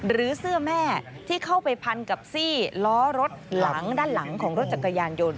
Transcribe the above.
หรือเสื้อแม่ที่เข้าไปพันกับซี่ล้อรถหลังด้านหลังของรถจักรยานยนต์